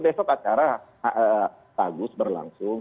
besok acara bagus berlangsung